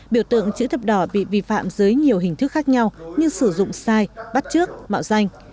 biểu tượng chữ thập đỏ bị vi phạm dưới nhiều hình thức khác nhau như sử dụng sai bắt trước mạo danh